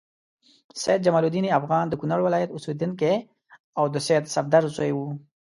سید جمال الدین افغان د کونړ ولایت اوسیدونکی او د سید صفدر زوی و.